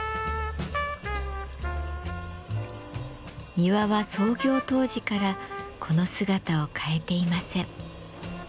庭は創業当時からこの姿を変えていません。